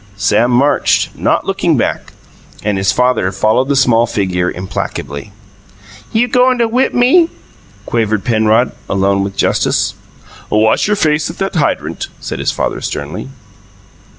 Sam marched, not looking back, and his father followed the small figure implacably. "You goin' to whip me?" quavered Penrod, alone with Justice. "Wash your face at that hydrant," said his father sternly.